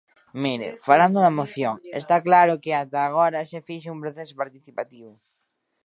Mire, falando da moción, está claro que ata agora se fixo un proceso participativo.